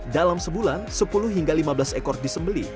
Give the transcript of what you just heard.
dalam sebulan sepuluh hingga lima belas ekor disembeli